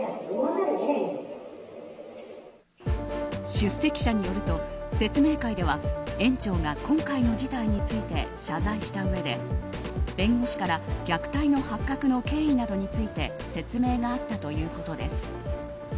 出席者によると説明会では園長が今回の事態について謝罪したうえで弁護士から虐待の発覚の経緯などについて説明があったということです。